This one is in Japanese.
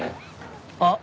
あっ。